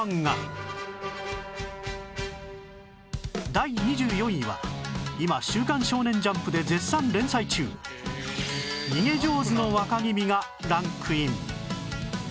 第２４位は今『週刊少年ジャンプ』で絶賛連載中『逃げ上手の若君』がランクイン